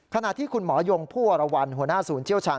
ขณะที่คุณหมอยงผู้วรวรรณหัวหน้าศูนย์เชี่ยวชาญ